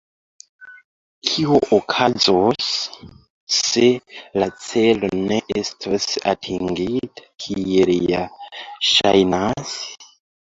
Kio okazos, se la celo ne estos atingita, kiel ja ŝajnas?